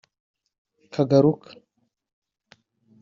Kagaruka